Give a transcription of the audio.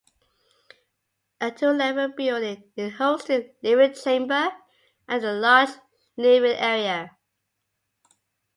A two level building, it hosted living chamber and a large living area.